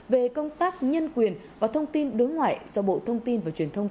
về công tác nhân quyền và thông tin đối ngoại do bộ thông tin và truyền thông